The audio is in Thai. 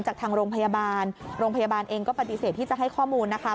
จากทางโรงพยาบาลโรงพยาบาลเองก็ปฏิเสธที่จะให้ข้อมูลนะคะ